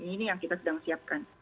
ini yang kita sedang siapkan